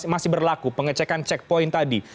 masih berlaku pengecekan checkpoint tadi